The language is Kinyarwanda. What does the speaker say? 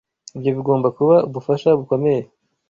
Ibyo bigomba kuba ubufasha bukomeye.